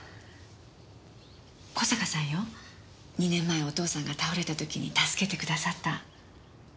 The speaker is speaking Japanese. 小坂さんよ。２年前お父さんが倒れた時に助けてくださった。